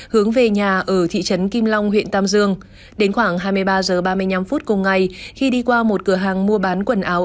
hướng về nhà ở thị trấn kim long huyện tam dương đến khoảng hai mươi ba h ba mươi năm phút cùng ngày khi đi qua một cửa hàng mua bán quần áo